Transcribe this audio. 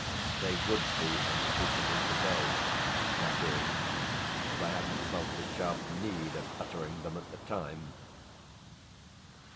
They would be unspeakable to day, that is, if I hadn't felt the sharp need of uttering them at the time.